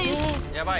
やばい！